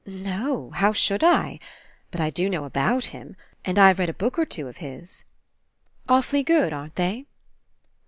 "No. How should I? But I do know about him. And I've read a book or two of his." "Awfully good, aren't they?"